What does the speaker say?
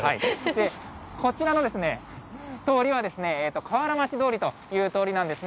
こちらの通りは、河原町通という通りなんですね。